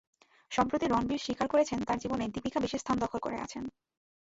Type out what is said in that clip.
সম্প্রতি রণবীর স্বীকার করেছেন, তাঁর জীবনে দীপিকা বিশেষ স্থান দখল করে আছেন।